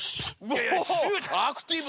おアクティブ！